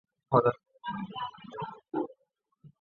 其他传教士此后均被驱逐。